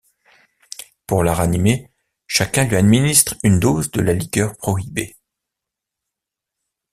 Pour la ranimer, chacun lui administre une dose de la liqueur prohibée.